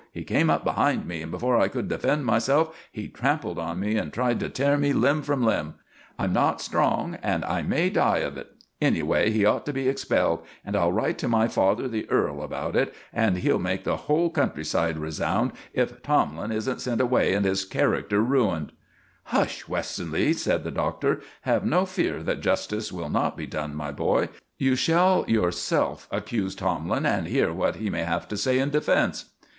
"He came up behind me, and, before I could defend myself, he trampled on me and tried to tear me limb from limb. I'm not strong, and I may die of it. Anyway, he ought to be expelled, and I'll write to my father, the earl, about it, and he'll make the whole country side resound if Tomlin isn't sent away and his character ruined." "Hush, Westonleigh!" said the Doctor. "Have no fear that justice will not be done, my boy. You shall yourself accuse Tomlin and hear what he may have to say in defence."